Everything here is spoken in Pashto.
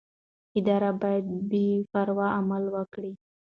ادارې باید بې پرې عمل وکړي